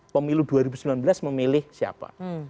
pemilu dua ribu sembilan belas memilih siapa